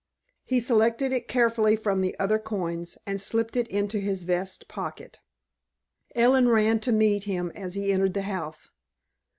He selected it carefully from the other coins, and slipped it into his vest pocket. Ellen ran to meet him as he entered the house.